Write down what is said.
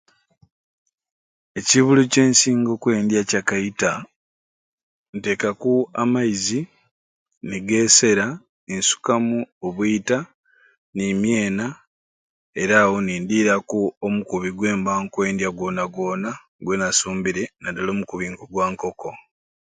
Ekiibulo kyensinga okwendya Kya kaita. Noteekaku amaizi ni geesera ni nsukamu obwiita ni myena era awo nsindikiraku omukubi gwemba nkwendya gwona gwona gwenasumbire naddala omukubi k'ogwa nkoko.